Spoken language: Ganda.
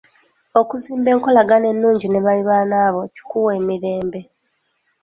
Okuzimba enkolagana ennungi ne baliraanwa bo kikuwa emirembe.